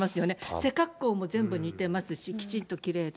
背格好も全部似てますし、きちんときれいで。